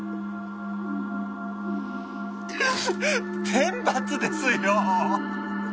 天罰ですよ！